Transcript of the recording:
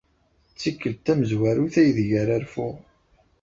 D tikkelt tamezwarut aydeg ara rfuɣ.